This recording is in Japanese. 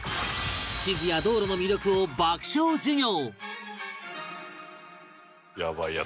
地図や道路の魅力を爆笑授業！